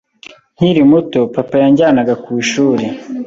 Nkiri muto, papa yanjyanaga ku ishuri.